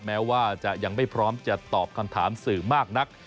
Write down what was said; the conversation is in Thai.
แม้ว่าจะยังไม่พร้อมจะตอบคำถามสื่อมากนัก